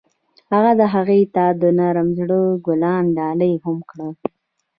هغه هغې ته د نرم زړه ګلان ډالۍ هم کړل.